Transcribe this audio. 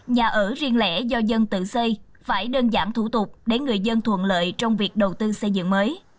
nhà ở riêng lẻ do dân tự xây phải đơn giản thủ tục để người dân thuận lợi trong việc đầu tư xây dựng mới